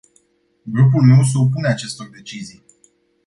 Grupul meu se opune acestor decizii.